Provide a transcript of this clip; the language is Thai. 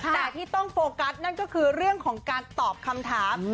แต่ที่ต้องโฟกัสนั่นก็คือเรื่องของการตอบคำถาม